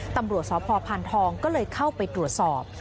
ตำรวจสพพานทองก็เลยเข้าไปตรวจสอบ